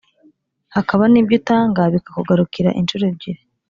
hakaba n’ibyo utanga bikakugarukira incuro ebyiri.